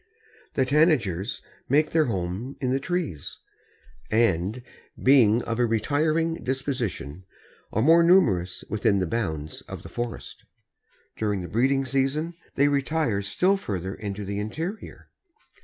The Tanagers make their home in the trees, and, being of a retiring disposition, are more numerous within the bounds of the forest. During the breeding season they retire still further into the interior.